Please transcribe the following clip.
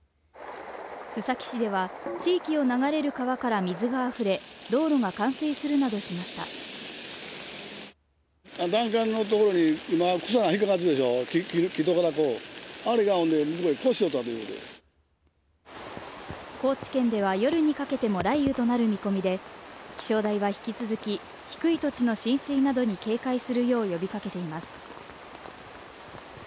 須崎市では地域を流れる川から水があふれ道路が冠水するなどしました高知県では夜にかけても雷雨となる見込みで気象台は引き続き低い土地の浸水などに警戒するよう呼びかけています